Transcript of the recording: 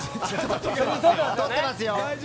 とってますよ。